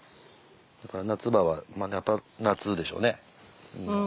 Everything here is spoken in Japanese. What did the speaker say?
だから夏場はまあやっぱ夏でしょうね。